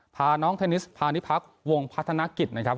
พาน้องเทนนิสพาณิพักษ์วงพัฒนกิจนะครับ